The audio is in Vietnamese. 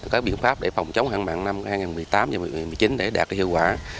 có biện pháp để phòng chống hạn mặn năm hai nghìn một mươi tám hai nghìn một mươi chín để đạt hiệu quả